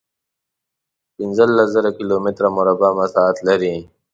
پنځلس زره کیلومتره مربع مساحت لري.